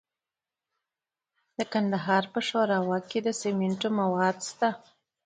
د کندهار په شورابک کې د سمنټو مواد شته.